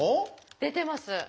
出てます。